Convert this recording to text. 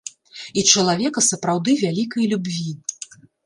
І чалавека сапраўды вялікай любві.